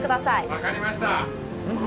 分かりました